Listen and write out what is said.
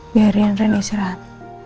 biarin rena istirahat